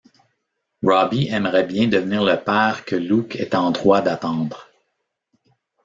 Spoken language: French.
Robbie aimerait bien devenir le père que Luke est en droit d'attendre.